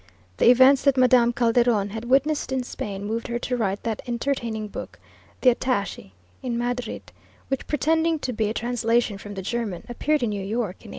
The events that Madame Calderon had witnessed in Spain moved her to write that entertaining book The Attache in Madrid, which, pretending to be a translation from the German, appeared in New York in 1856.